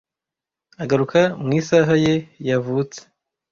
Agaruka ' mu isaha ye yavutse,